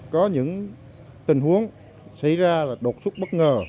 có những tình huống xảy ra là đột xuất bất ngờ